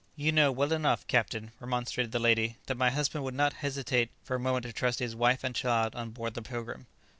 "You know well enough, captain," remonstrated the lady "that my husband would not hesitate for a moment to trust his wife and child on board the 'Pilgrim.'"